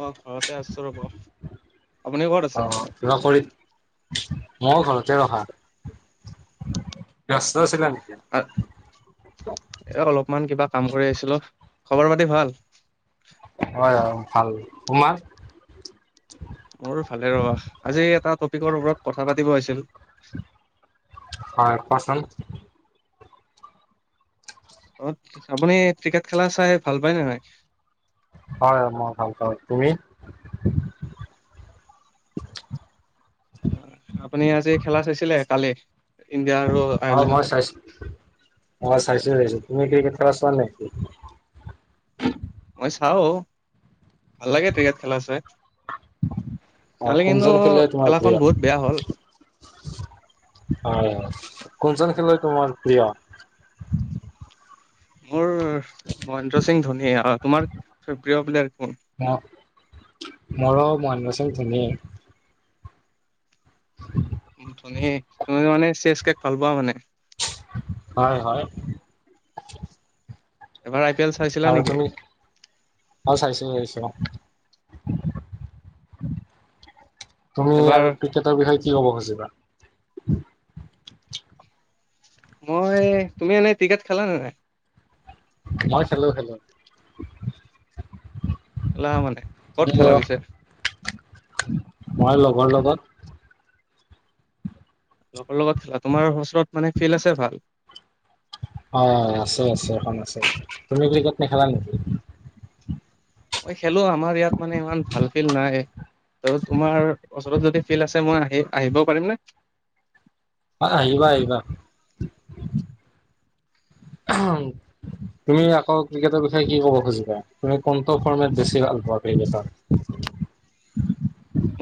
অ ঘৰতে আছো ৰ'ব। আপুনি কত আছে? লগকৰি মই ঘৰতে ৰখা। ব্যস্ত আছিলা নেকি? এ অলপমান কিবা কাম কৰি আহিছিলো অ। খবৰ পাতি ভাল? হয় হয় অঁ ভাল। তোমাৰ? মোৰো ভালে ৰবা। আজি এটা টপিকৰ ওপৰত কথা পাতিব হৈছিল হয় কোৱাচোন? আপুনি ক্ৰিকেট খেলা চাই ভাল পায় নে নাই? হয় মই ভাল পাওঁ। তুমি? আপুনি আজি খেলা চাইছিলে কালি? ইণ্ডিয়া আৰু অ মই আয়াৰলেণ্ডৰ চাইছো মই চাইছো চাইছো। তুমি ক্ৰিকেট খেলা চোৱা নাই নেকি? মই চাও ভাল লাগে ক্ৰিকেট খেলা চাই। অ কালি কিন্তু কোনজন খেলুৱৈ তোমাৰ খেলাখন প্ৰিয় বহুত বেয়া হ'ল। হয় কোনজন খেলৈ তোমাৰ প্ৰিয়? মোৰ মহেন্দ্ৰ সিং ধোনি। তোমাৰ প্ৰিয় প্লেয়াৰ কোন? মোৰ মৰো মহেন্দ্ৰনা সিংহ ধোনীয়ে। [inaudible] ধোনীক তুমি মানে চিৰিয়াছকে ভাল পোৱা মানে? হয় হয় এবাৰ আই পি এল চাইছিলা আৰু নেকি তুমি, অঁ চাইছো চাইছো অঁ। তুমি এবাৰ আৰু ক্ৰিকেটৰ বিষয়ে কি কব খুজিবা? মই তুমি এনেই ক্ৰিকেট খেলা নে নাই? মই খেলো খেলো। খেলা মানে, ক'ত তুমি খেলা পিছে? মই লগৰ লগত। লগৰ লগত খেলা, তোমাৰ ওচৰত মানে ফিল্ড আছে ভাল? অঁ আছে আছে, এখন আছে। তুমি ক্ৰিকেট নেখেলা নেকি? মই খেলো আমাৰ ইয়াত মানে ইমান ভাল ফিল্ড নাই। ত, তোমাৰ ওচৰত যদি ফিল্ড আছে মই আহি আহিব পাৰিম নে? অ, আহিবা আহিবা। তুমি আকৌ ক্ৰিকেটৰ বিষয়ে কি ক'ব খুজিবা? তুমি কোনটো ফৰ্মেট বেছি ভাল পোৱা ক্ৰিকটৰ?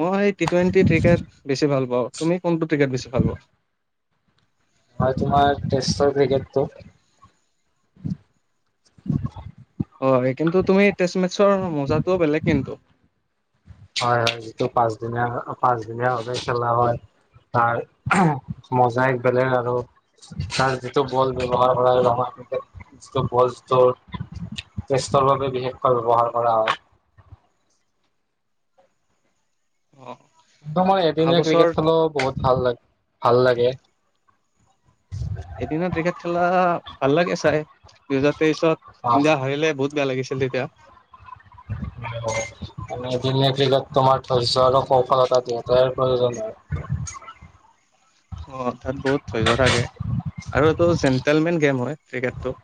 মই টি টুৱেণ্টি ক্ৰিকেট বেছি ভাল পাওঁ, তুমি কোনটো ক্ৰিকেট বেছি ভাল পোৱা? মই তোমাৰ টেষ্টৰ ক্ৰিকেটটো। [unintelligible] অ কিন্তু তুমি টেষ্ট মেটছৰ মজাটোও বেলেগ কিন্তু। হয়-হয়, যিটো পাঁচদিনীয়া বা পাঁচদিনীয়া বাবে খেলা হয় তাৰ উহো মজাই বেলেগ আৰু তাৰ যিটো বল ব্যৱহাৰ কৰা ৰঙা [unintelligible] যিটো বল যিটো টেষ্টৰ বাবে বিশেষকৈ ব্যবহাৰ কৰা হয় অ ত মই অহা এদিনীয়া বছৰ ক্ৰিকেট খেলো, বহুত ভাল লা ভাল লাগে এদিনত ক্ৰিকেট খেলা ভাল লাগে চাই। দু হেজাৰ তেইছত অ' ইণ্ডিয়া হাৰিলে বহুত বেয়া লাগিছিল তেতিয়া মানে এদিনীয়া ক্ৰিকেট তোমাৰ ধৈৰ্য্য আৰু কৌশলতা দুইটাৰে প্ৰয়োজন হয়। অ, তাত বহুত ধৈৰ্য্য থাকে আৰু এইটো জেণ্টেলমেন গেম হয় ক্ৰিকেটটো।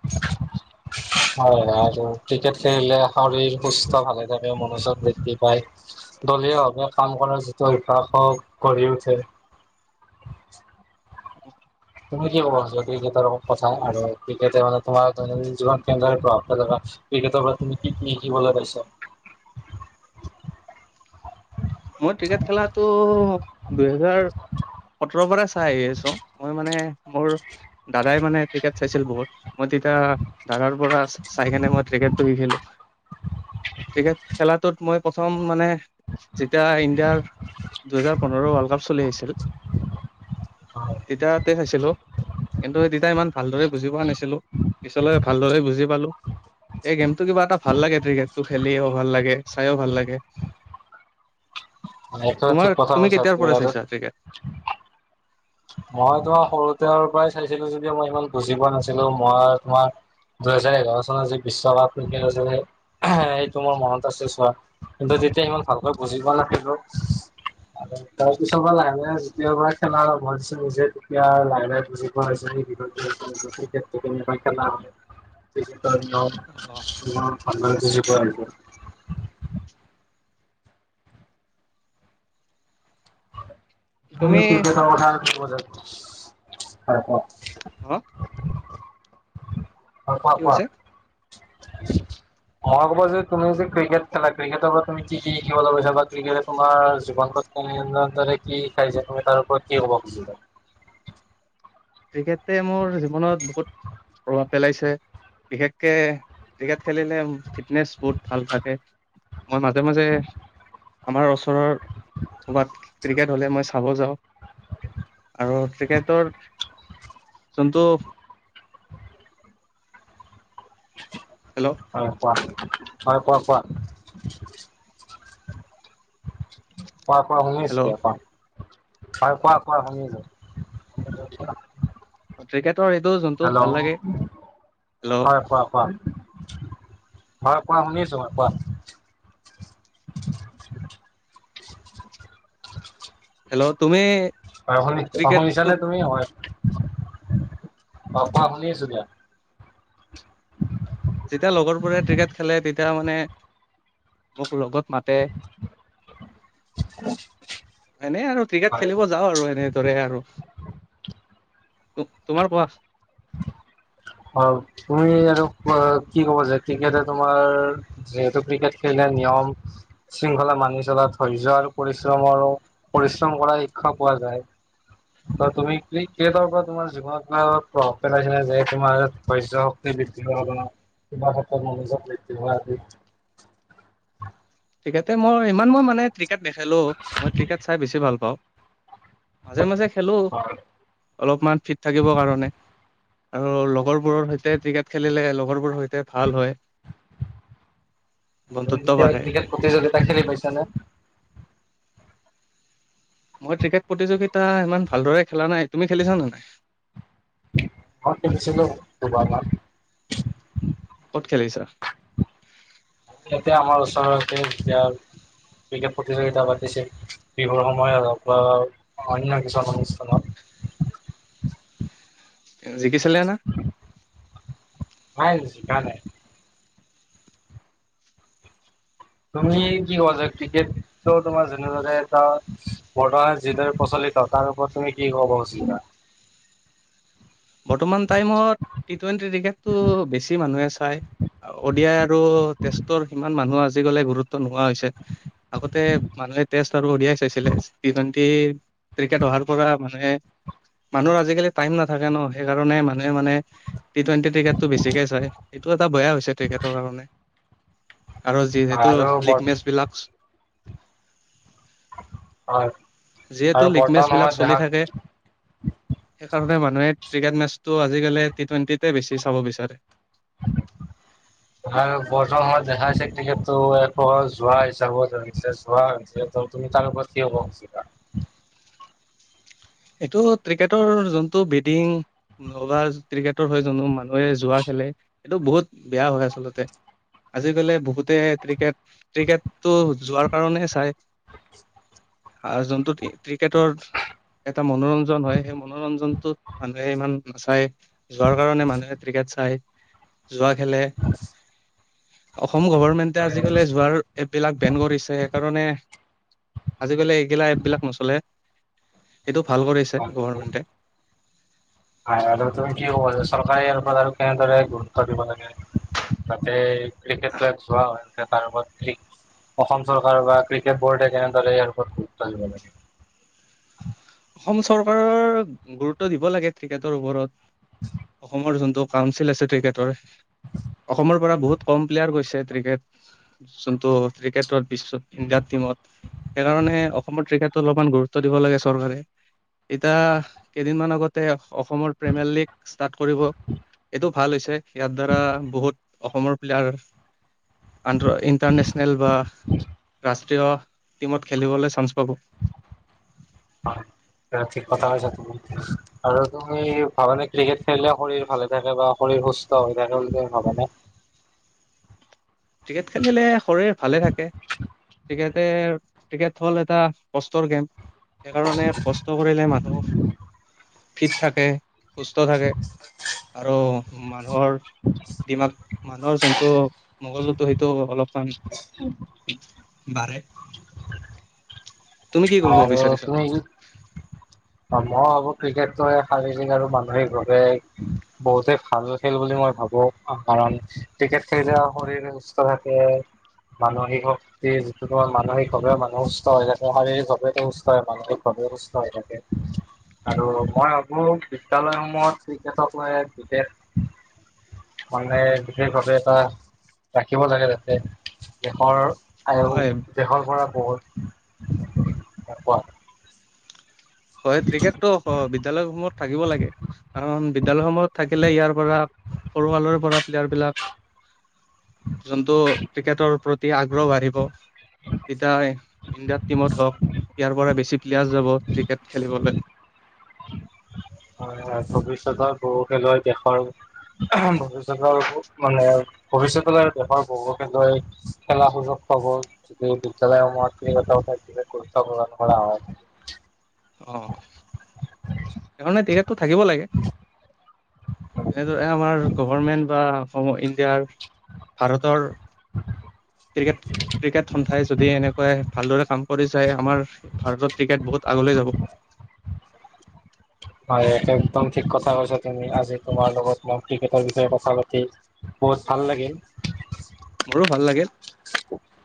হয় আৰু ক্ৰিকেট খেলিলে শৰীৰ সুস্থ ভালে থাকে, মনোযোগ বৃদ্ধি পায়। দলীয়ভাৱে কাম কৰাৰ যিটো অভ্যাস হওক গঢ়ি উঠে তুমি কি কব খোজ' ক্ৰিকেটৰ কথা আৰু ক্ৰিকেটে মানে তোমাৰ দৈনন্দিন জীৱন কেনেদৰে প্ৰভাৱ পেলায় বা ক্ৰিকেটৰ পৰা তুমি কি-কি শিকিবলৈ পাইছা? মই ক্ৰিকেট খেলাটো দুহেজাৰ সতৰৰ পৰা চাই আহি আছো, মই মানে মোৰ দাদাই মানে ক্ৰীকেট চাইছিল বহুত, মই তেতিয়া দাদাৰ পৰা চা চাই কিনে মই ক্ৰিকেটো শিকিলোঁ। ক্ৰিকেট খেলাটোত মই প্ৰথম মানে যেতিয়া ইণ্ডিয়াৰ, দুহেজাৰ পোন্ধৰ ৱৰ্ল্ড কাপ চলি আছিল হয়, তেতিয়াতে চাইছিলো। কিন্তু তেতিয়া ইমান ভালদৰে বুজি পোৱা নাছিলো, পিছলৈ ভালদৰে বুজি পালো। এই গেমটো কিবা এটা ভাল লাগে ক্ৰিকেটটো খেলিও ভাল লাগে, চাইও ভাল লাগে। মানে একেবাৰে ঠিক তোমাৰ, কথা তুমি কৈছা কেতিয়াৰ পৰা আৰু চাইছা ক্ৰিকেট? মই তোমাৰ সৰুতে পৰাই চাইছিলো যদিও মই ইমান বুজি পোৱা নাছিলো, মই তোমাৰ দুহেজাৰ এঘাৰ চনৰ যি বিশ্বকাপ ক্ৰিকেট আছে এহ সেইটো মোৰ মনত আছে চোৱা কিন্তু তেতিয়া ইমান ভালকৈ বুজি পোৱা নাছিলো আৰু তাৰ পিছৰ পৰা লাহে-লাহে যেতিয়া পৰা খেলা মই দিছো নিজে যেতিয়া লাহে-লাহে বুজি পোৱা হৈছো [inaudible] [inaudible] অ তুমি উম ক্ৰিকেটৰ কথা [inaudible] হয় হয়। অহ হয় কি কোৱা-কোৱা? কৈছে মই ক'ব যে তুমি যে ক্ৰিকেট খেলা ক্ৰিকেটৰ পৰা তুমি কি-কি শিকিবলৈ লৈছা বা ক্ৰিকেটে তোমাৰ জীৱনটোত [unintelligible] ধৰে কি শিকাইছে তুমি তাৰ ওপৰত কি কব' খুজিবা? ক্ৰিকেটে মোৰ জীৱনত বহুত প্ৰভাৱ পেলাইছে বিশেষকে ক্ৰিকেট খেলিলে ফিটনেচ বহুত ভাল থাকে মই মাজে-মাজে আমাৰ ওচৰৰ ক'বাত ক্ৰিকেট তলে মই চাব যাওঁ আৰু ক্ৰিকেটৰ যোনটো হেল্ল'? হয় কোৱা? হয় কোৱা কোৱা? [inaudible] কোৱা কোৱা শুনি আছোঁ হেল্ল' দিয়া কোৱা, হয় কোৱা কোৱা শুনি আছোঁ। ক্ৰিকেটৰ এইটো জ হেল্ল' হয়, কোৱা কোৱা। হয়, কোৱা শুনিছো কোৱা। হেল্ল' তুমি হয় শুনি অ', ক্ৰিকেটটো শুনিছানে তুমি হয় অ অ শুনি আছো দিয়া। [inaudible] যেতিয়া লগৰবোৰে ক্ৰিকেট খেলে তেতিয়া মানে মোক লগত মাতে। [inaudible] এনে আৰু ক্ৰিকেট হয় খেলিব যাওঁ আৰু এনে দৰে আৰু তোমাৰ কোৱা। অ', তুমি আৰু কি ক'ব যে ক্ৰিকেটে তোমাৰ যিহেতু ক্ৰিকেট খেলিলে নিয়ম শৃংখলা মানি চলা ধৈৰ্য আৰু পৰিশ্ৰমৰো পৰিশ্ৰম কৰা শিক্ষা পোৱা যায়। ত' তুমি ক্ৰিকেটৰ পৰা তোমাৰ জীৱনত কিব প্ৰভাৱ পেলাইছে নে, যে তুোমাৰ ধৰ্য্য হওক [unintelligible] ক্ৰিকেতে মই ইমান মই মানে ক্ৰিকেট নেখেলোঁ মই ক্ৰিকেট চাই বেছি ভাল পাওঁ। মাজে মাজে খেলো অলপমান ফিট থাকিব কাৰণে। আৰু লগৰ বোৰৰ সৈতে ক্ৰিকেট খেলিলে লগৰবোৰৰ সৈতে ভাল হয় তুমি বন্ধুত্ব কেতিয়াবা বাঢ়ে। ক্ৰিকেট প্ৰতিযোগিতা সেই খেলি পাইছ নে? মই ক্ৰিকেট প্ৰতিযোগিতা ইমান ভালদৰে খেলা নাই, তুমি খেলিছা নে নাই? মই খেলিছিলোঁ দুবাৰ মান। ক'ত খেলিছা? ইয়াতে আমাৰ ওচৰতে যেতিয়া ক্ৰিকেট প্ৰতিযোগিতা পাতিছিল। বিহুৰ সময়ত হওক অ বা অন্য কিছুমান অনুষ্ঠানত। জিকিছিলে না? নাই জিকা নাই। তুমি কি কোৱা যে ক্ৰিকেট তোমাৰ [unintelligible] এটা বৰ্তমান যিদৰে প্ৰচলিত তাৰ ওপৰত তুমি কি ক'ব খুজিবা? বৰ্তমান টাইমত টি টুৱেণ্টি ক্ৰিকেটটো বেছি মানুহে চায় অ'ডিয়াই আৰু টেষ্টৰ সিমান মানুহে আজিকালি গুৰুত্ব নোহোৱা হৈছে, আগতে তে মানুহে টেষ্ট আৰু অ'দিয়াই চাইছিলে টি টুৱেণ্টি ক্ৰিকেট অহাৰ পৰা মানুহে মানুহৰ আজা কালি টাইম নাকে ন'। সেইকাৰণে মানুহে মানে টি টুৱেন্টি ক্ৰিকেট টো বেছিকে চাই এইটো এটা বেয়া হৈছে। [unintelligible] কাৰণে আৰু যিহেতু আৰু লিগ মেচ বিলাক যিহেতু আৰু লিগমেচ বৰ্তমান বিলাক সময়ত চলি দেখা থাকে। সেইকাৰণে মানুহে ক্ৰিকেট মেচটো আজিকালি টি টুৱেন্টিতে বেছি চাব বিচাৰে। [inaudible] আৰু বৰ্তমান সময়ত দেখাইছে ক্ৰিকেটটো এক প্ৰকাৰৰ যোৱা হিচাবত যোৱা হৈছে। ত' তুমি তাৰ ওপৰত কি ক'ব খুজিবা? এইটো ক্ৰিকেটৰ যোনটো বিটিং বা ক্ৰিকেটৰ হৈ যোনো মানুহে যোৱা খেলে এইটো বহুত বেয়া হয় আচলতে। আজিকালি বহুতে ক্ৰিকেট ক্ৰিকেটটো যোৱাৰ কাৰণে চাই। আৰু যোন ক্ৰিকেটৰ- এটা মনোৰঞ্জন হয় সেই মনোৰঞ্জনটোত মানুহে ইমান নাচায়। যোৱাৰ কাৰণে মানুহে ক্ৰিকেট চাই, জুৱা খেলে। অসম গভমেণ্টে হয় আজিকালি জুৱাৰ এপ বিলাক বেন কৰিছে সেইকাৰণে- আজি কালি এইগিলা এপবিলাক নচলে। এইটো ভাল কৰিছে গভমেণ্টে। আৰু তুমি কি ক'বা চৰকাৰে ইয়াৰ ওপৰত আৰু কেনেদৰে গুৰুত্ব দিব লাগে যাতে- ক্ৰিকেট বিলাক চোৱা হয়। এ তাৰ ওপৰত ফিক্স, অসম চৰকাৰ বা ক্ৰিকেট বৰ্ডে কেনেদৰে ইয়াৰ ওপৰত গুৰুত্ব দিব লাগে। অসম চৰকাৰৰ গুৰুত্ব দিব লাগে ক্ৰিকেটৰ ওপৰত অসমৰ যোনটো। কাউঞ্চিল আছে ক্ৰিকেটৰ, অসমৰ পৰা বহুত কম প্লেয়াৰ গৈছে ক্ৰিকেট। যোনটো ক্ৰিকেটত বিশ্ব ইণ্ডিয়াৰ টিমত। সেইকাৰণে অসমত ক্ৰিকেতো অলপমান গুৰুত্ব দিব লাগে চৰকাৰে। এতিয়া কেইদিনমান আগতে অসমৰ প্ৰিমিয়াৰ লীগ ষ্টাৰ্ট কৰিব এইটো- ভাল হৈছে ইয়াৰ দ্বাৰা বহুত, অসমৰ প্লেয়াৰ- আ ইণ্টাৰনেচনেল বা, ৰাষ্ট্ৰীয় টিমত, খেলিবলৈ চান্স পাব। অ, থিক কথা কৈছা তুমি। আৰু তুমি ভাবা না ক্ৰিকেট খেলিলে শৰীৰ ভালে থাকে বা শৰীৰ সুস্থ হৈ থাকে বুলি তুমি ভাবা না। ক্ৰিকেট খেলিলে শৰীৰ ভালে থাকে, ক্ৰিকেতে- ক্ৰিকেট হ'ল এটা কষ্টৰ গেম, সেইকাৰণে কষ্ট কৰিলে মানুহ- ফিট থাকে, সুস্থ থাকে। আৰু মানুহৰ দিমাগ মানুহৰ যোনটো মগজুটো সেইটো অলপ- অকন মান, বাঢ়ে। তুমি কি ক'ব আৰু বিচাৰিছা তুমি- অ মই ভাবো ক্ৰিকেটোৱে শাৰীৰিক আৰু মানসিকভাৱে- বহুতে ভাল খেল বুলি মই ভাবো কাৰণ ক্ৰিকেট খেলিলে শৰীৰ- সুস্থ থাকে, মানসিক শক্তি যিটো মানসিকভাৱেও মানুহ সুস্থ হয় থাকে শাৰীৰিক- টো সুস্থ হয় মানসিকভাৱেও সুস্থ হৈ থাকে। আৰু মই ভাবো বিদ্যালয়সমূহত ক্ৰিকেটক লৈ বিশষ- মানে বিশেষভাৱে এটা, ৰাখিব লাগে যাতে দেশৰ- আৰু হয় দেশৰ পৰা বহুত- কোৱা? হয় ক্ৰিকেটো বিদ্যালয় সমূহত থাকিব লাগে, কাৰণ বিদ্যালয় সমূহত থাকিলে ইয়াৰ পৰা- সৰু কালৰে পৰা প্লেয়াৰ বিলাক, যোনটো ক্ৰিকেটৰ ওপৰত- তেতিয়া আগ্ৰহ বাঢ়িব, তেতিয়া ইণ্ডিয়াত টিমত হওক ইয়াৰ পৰা বেছি- প্লেয়াৰৰ্চ যাব ক্ৰিকেট খেলিবলৈ। হয় হয় ভৱিষ্যতৰ বহু খেলুৱৈ দেশৰ, ভৱিষ্যতৰ ত মানে- ভৱিষ্যতলৈ দেশৰ বহুত খেলুৱৈ খেলাৰ সুযোগ পাব। যদি বিদ্যালয় সমূহত ক্ৰিকেটৰ ওপৰত বিশেষ গুৰুত্ব প্ৰদান কৰা হয়। অ, সেইকাৰণে ক্ৰিকেত টো থাকিব লাগে। এনেদৰে আমাৰ গভমেণ্ট বা অসমৰ ইণ্ডিয়াৰ, ভাৰতৰ- ক্ৰিকেট, ক্ৰিকেট সন্থাই যদি এনেকৈ ভালদৰে কাম কৰি যায় আমাৰ- ভাৰতত ক্ৰিকেট বহুত আগলৈ যাব। [unintelligible] হয়, একদম ঠিক কথা কৈছা তুমি, আজি তোমাৰ লগত মই ক্ৰিকেটৰ বিষয়ে কথা পাতি বহুত ভাল লাগিল। মোৰো ভাল লাগিল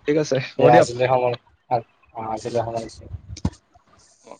ঠিক আছে হ'ব দিয়া দিয়ক আজিলৈ সামৰো, আজিলৈ সামৰিছো। অ